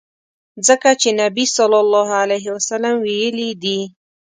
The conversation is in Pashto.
ځکه چي نبي ص ویلي دي.